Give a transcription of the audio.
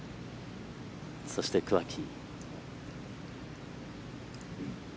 そして桑木。